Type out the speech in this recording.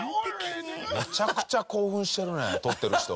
めちゃくちゃ興奮してるね撮ってる人。